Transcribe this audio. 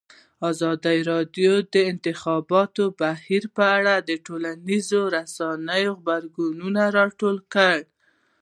ازادي راډیو د د انتخاباتو بهیر په اړه د ټولنیزو رسنیو غبرګونونه راټول کړي.